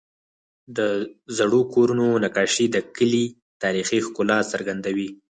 د زړو کورونو نقاشې د کلي تاریخي ښکلا څرګندوي.